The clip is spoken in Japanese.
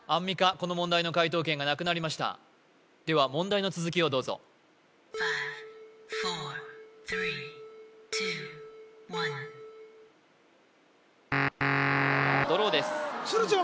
この問題の解答権がなくなりましたでは問題の続きをどうぞドローです鶴ちゃん